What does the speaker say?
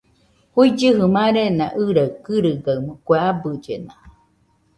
Juigɨjɨ marena ɨraɨ kɨrɨgaɨmo, kue abɨllena